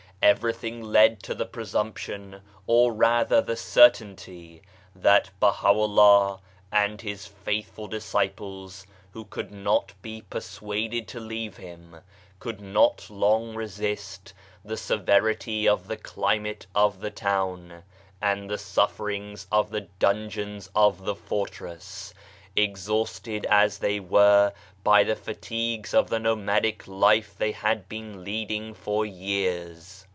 Everything led to the presumption, or rather the certainty, that Baha'u'llah and his faithful disciples, who could not be persuaded to leave him, could not long 83 84 BAHAISM resist the severity of the climate of the town, and the sufferings in the dungeons of the fortress, exhausted as they were by the fatigues of the nomadic life they had been leading for years.